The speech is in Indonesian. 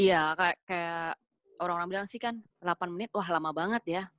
iya kayak orang orang bilang sih kan delapan menit wah lama banget ya